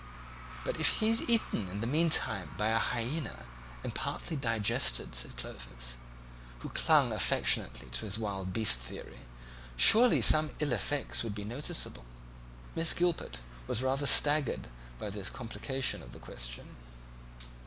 "But if he's been eaten in the meantime by a hyaena and partly digested," said Clovis, who clung affectionately to his wild beast theory, "surely some ill effects would be noticeable?" Miss Gilpet was rather staggered by this complication of the question.